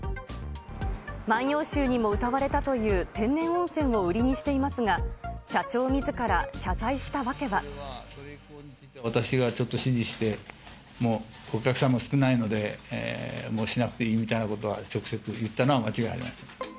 万葉集にも歌われたという天然温泉を売りにしていますが、社長み私がちょっと指示して、もうお客さんも少ないので、もうしなくていいみたいなことは直接言ったのは間違いないです。